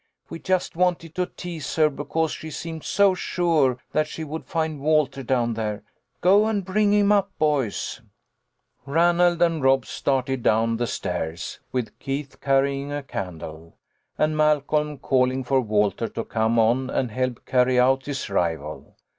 We just wanted to A HALLOWE'EN PARTY. l6l tease her because she seemed so sure that she would find Walter down there. Go and bring him up, boys." Ranald and Rob started down the stairs, with Keith carrying a candle, and Malcolm calling for Walter to come on and help carry out his rival.